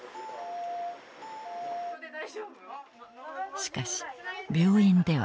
しかし病院では。